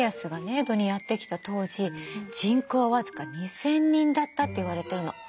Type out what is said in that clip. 江戸にやって来た当時人口は僅か２，０００人だったっていわれているの。